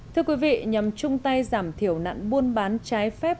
thưa quý vị nhằm chung tay giảm thiểu nạn buôn bán trái phép